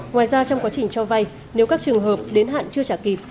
ngoài ra trong quá trình cho vay nếu các trường hợp đến hạn chưa trả kịp